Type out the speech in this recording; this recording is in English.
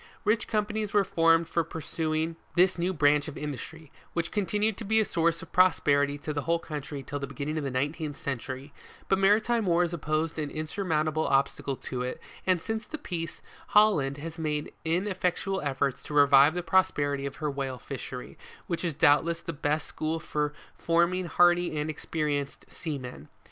Rich companies were formed for pursuing this new branch of industry, which continued to be a source of prosperity to the whole country till the beginning of the nineteenth century ; but maritime wars opposed an insurmountable obstacle to it, and since the peace, Hol land has made ineffectual efforts to revive the prosperity of her whale fishery, which is doubtless the best school for forming hardy and experienced seamen.